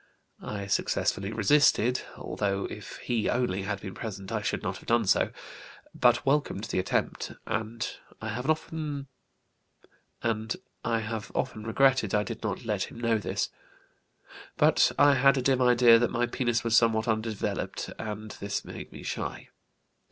I successfully resisted, although if he only had been present I should not have done so, but welcomed the attempt, and I have often regretted I did not let him know this. But I had a dim idea that my penis was somewhat undeveloped and this made me shy.